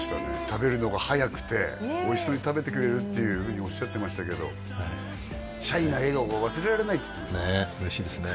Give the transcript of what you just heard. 「食べるのがはやくておいしそうに食べてくれる」っていうふうにおっしゃってましたけど「シャイな笑顔が忘れられない」って言ってましたね